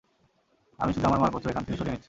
আমি শুধু আমার মালপত্র এখান থেকে সরিয়ে নিচ্ছি।